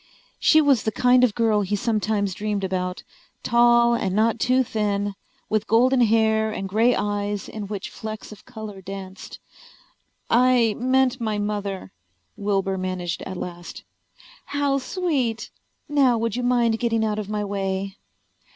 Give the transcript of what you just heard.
She was the kind of girl he sometimes dreamed about, tall and not too thin, with golden hair and gray eyes in which flecks of color danced. "I meant my mother," Wilbur managed at last. "How sweet. Now would you mind getting out of my way?"